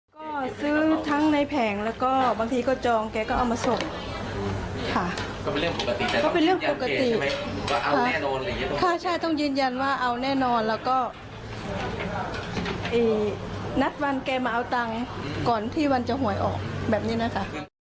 ก็ซื้อทั้งในแผงแล้วก็บางทีก็จองแกก็เอามาส่งค่ะก็เป็นเรื่องปกติก็เป็นเรื่องปกติค่าใช่ต้องยืนยันว่าเอาแน่นอนแล้วก็นัดวันแกมาเอาตังค์ก่อนที่วันจะหวยออกแบบนี้นะคะ